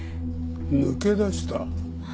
抜け出した？